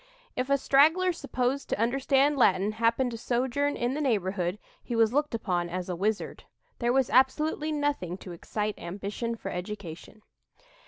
If a straggler supposed to understand Latin happened to sojourn in the neighborhood, he was looked upon as a wizard. There was absolutely nothing to excite ambition for education."